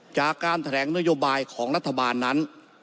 จากการแถลงนโยบายของรัฐบาลนั้น